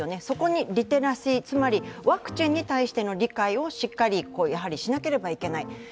そこにリテラシー、つまりワクチンに対しての理解をしっかりしなければいけない。